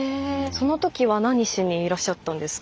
そのときは何しにいらっしゃったんですか？